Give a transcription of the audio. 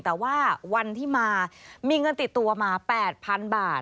แต่ว่าวันที่มามีเงินติดตัวมา๘๐๐๐บาท